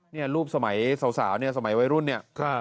เนี่ยรูปสมัยสาวเนี่ยสมัยวัยรุ่นเนี่ย